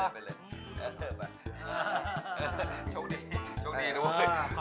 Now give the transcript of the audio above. ไปเลย